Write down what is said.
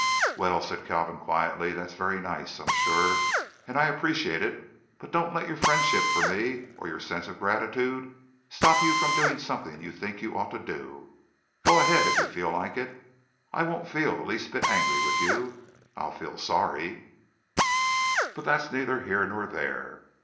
"Well," said Kalvin quietly, "that's very nice, I'm sure, and I appreciate it. But don't let your friendship for me or your sense of gratitude stop you from doing something you think you ought to do. Go ahead if you feel like it. I won't feel the least bit angry with you. I'll feel sorry, but that's neither here nor there.